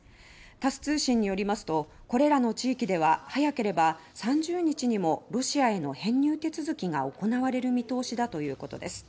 タス通信によりますとこれらの地域では早ければ３０日にもロシアへの編入手続きが行われる見通しだということです。